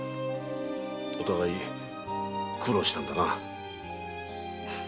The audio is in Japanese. お互い苦労したんだな。